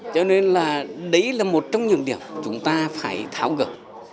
cho nên là đấy là một trong những điểm chúng ta phải tháo gỡ